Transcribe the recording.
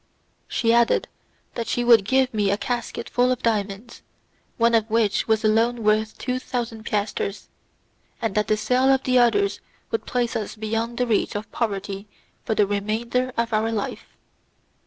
She added that she would give me a casket full of diamonds, one of which was alone worth two thousand piasters, and that the sale of the others would place us beyond the reach of poverty for the remainder of our life.